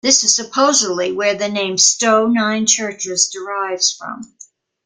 This is supposedly where the name Stowe Nine Churches derives from.